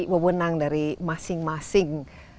wewenang dari masing masing